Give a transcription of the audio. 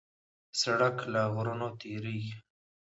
سړک له غرونو تېرېږي.